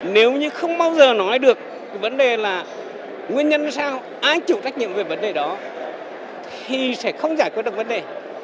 nếu như không bao giờ nói được cái vấn đề là nguyên nhân là sao ai chủ tách nhiệm về vấn đề đó thì sẽ không giải quyết được vấn đề